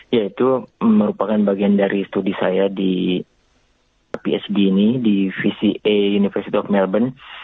ya itu merupakan bagian dari studi saya di phd ini di vca universitas melbourne